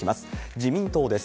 自民党です。